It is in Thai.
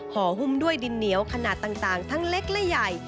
หุ้มด้วยดินเหนียวขนาดต่างทั้งเล็กและใหญ่